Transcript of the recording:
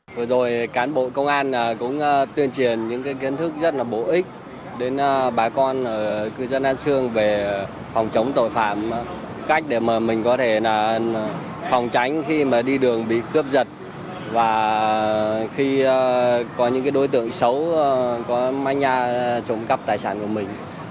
vừa rồi cán bộ công an cũng tuyên truyền những kiến thức rất là bổ ích đến bà con ở cư dân an sương về phòng chống tội phạm cách để mình có thể phòng tránh khi đi đường bị cướp giật và khi có những đối tượng xấu có manh nha trộm cắp tài sản của mình